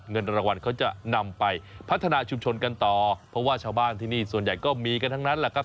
เงินรางวัลเขาจะนำไปพัฒนาชุมชนกันต่อเพราะว่าชาวบ้านที่นี่ส่วนใหญ่ก็มีกันทั้งนั้นแหละครับ